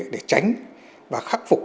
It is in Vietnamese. để tránh và khắc phục